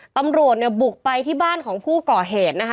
ตำรวจเนี่ยบุกไปที่บ้านของผู้ก่อเหตุนะคะ